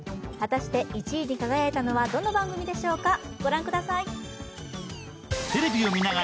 果たして１位に輝いたのはどの番組でしょうか。